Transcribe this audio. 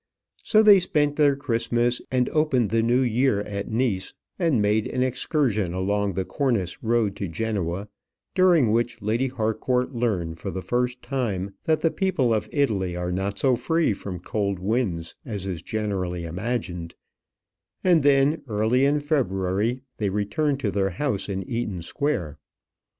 So they spent their Christmas and opened the new year at Nice, and made an excursion along the Cornice road to Genoa, during which Lady Harcourt learned for the first time that the people of Italy are not so free from cold winds as is generally imagined; and then, early in February, they returned to their house in Eaton Square.